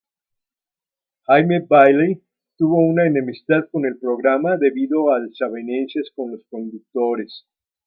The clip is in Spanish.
Jaime Bayly tuvo una enemistad con el programa debido a desavenencias con los conductores.